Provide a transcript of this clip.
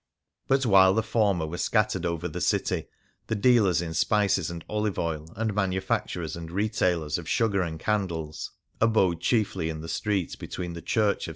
But while the former were scattered over the city, the dealers in spices and olive oil, and manu facturers and retailers of sugar and candles, abode chiefly in the street between the Church of S.